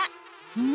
うん？